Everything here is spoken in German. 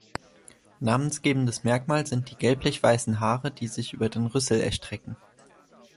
Namensgebendes Merkmal sind die gelblich-weißen Haare, die sich über den Rüssel erstrecken.